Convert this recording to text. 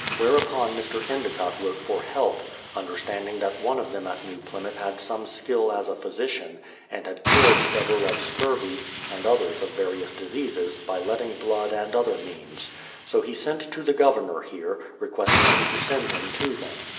Where upon Mr. Endicott wrote for help, understanding that one of them at New Plymouth had some skill as a physician, and had cured several of scurvy, and others of various diseases, by letting blood and other means. So he sent to the Governor here, requesting him to send him to them.